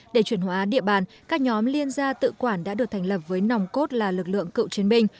để chuyển hóa địa bàn các nhóm liên gia tự quản đã được thành lập với nòng cốt là lực lượng cựu chiến binh